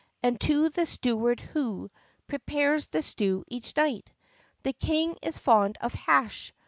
And to the steward who Prepares the stew each night! "The King is fond of hash.